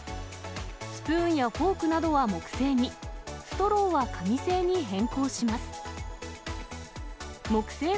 スプーンやフォークなどは木製に、ストローは紙製に変更します。